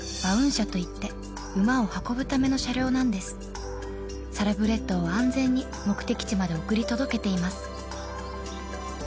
車といって馬を運ぶための車両なんですサラブレッドを安全に目的地まで送り届けています